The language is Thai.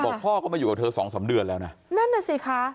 พ่อก็มาอยู่กับเธอสองสามเดือนแล้วนะนั่นน่ะสิคะ